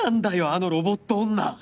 あのロボット女！